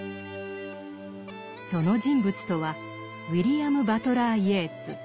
その人物とはウィリアム・バトラー・イェーツ。